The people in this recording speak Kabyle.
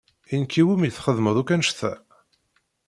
I nekk i wumi txedmeḍ akk annect-a?